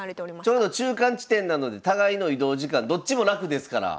ちょうど中間地点なので互いの移動時間どっちも楽ですから。